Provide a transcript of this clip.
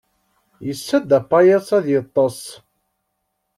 Yessa-d apayas ad yeṭṭes.